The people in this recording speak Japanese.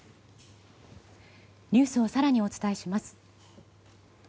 ニュースを更にお伝えします。